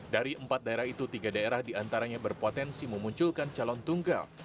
dari empat daerah itu tiga daerah diantaranya berpotensi memunculkan calon tunggal